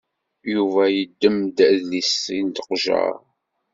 Yuba yeddem-d adlis seg leqjer.